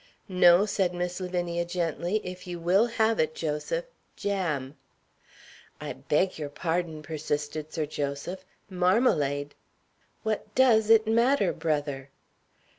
"No," said Miss Lavinia, gently, "if you will have it, Joseph jam." "I beg your pardon," persisted Sir Joseph; "marmalade." "What does it matter, brother?"